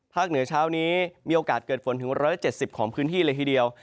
เหนือเช้านี้มีโอกาสเกิดฝนถึง๑๗๐ของพื้นที่เลยทีเดียว